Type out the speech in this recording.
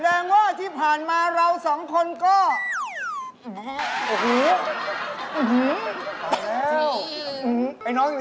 นวดเพิ่มเลยพี่